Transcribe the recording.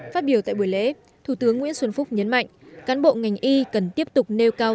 phát biểu tại buổi lễ thủ tướng nguyễn xuân phúc nhấn mạnh cán bộ ngành y cần tiếp tục nêu cao